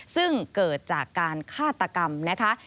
ซึ่งเกิดจากการฆาตกรรมนะคะ